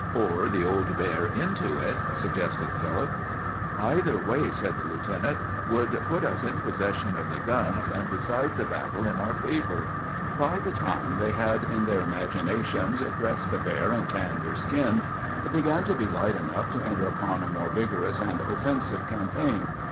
"Or the old bear into it," suggested Philip. "Either way," said the lieutenant, "would put us in possession of the guns, and decide the battle in our favor." By the time they had, in their imaginations, dressed the bear and tanned her skin, it began to be light enough to enter upon a more vigorous and offensive campaign.